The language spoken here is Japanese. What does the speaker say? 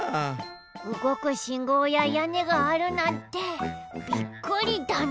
うごくしんごうややねがあるなんてびっくりだね。